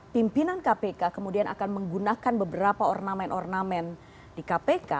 pimpinan kpk kemudian akan menggunakan beberapa ornamen ornamen di kpk